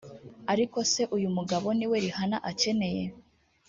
Ariko se uyu mugabo ni we Rihanna akeneye